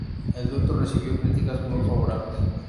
El dueto recibió críticas muy favorables.